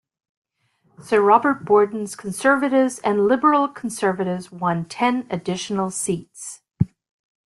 Sir Robert Borden's Conservatives and Liberal-Conservatives won ten additional seats.